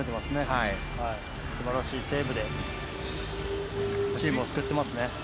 すばらしいセーブでチームを救ってますね。